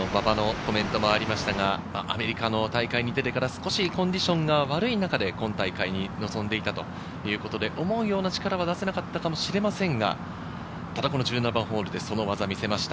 アメリカの大会に出てから、少しコンディションが悪い中で今大会に臨んでいたということで、思うような力が出せなかったかもしてませんが、１７番ホールでその技を見せました。